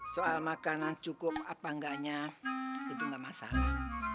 soal makanan cukup apa enggaknya itu nggak masalah